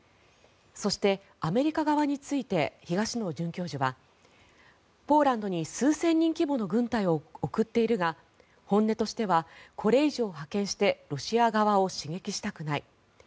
そして、アメリカ側について東野准教授はポーランドに数千人規模の軍隊を送っているが本音としては、これ以上派遣してロシア側を刺激したくない。